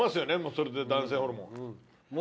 それで男性ホルモン。